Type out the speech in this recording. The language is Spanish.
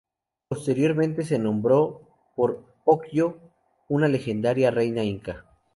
Posteriormente se nombró por Ocllo, una legendaria reina inca.